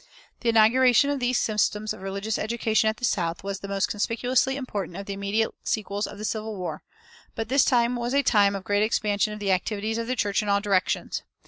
The inauguration of these systems of religious education at the South was the most conspicuously important of the immediate sequels of the Civil War. But this time was a time of great expansion of the activities of the church in all directions.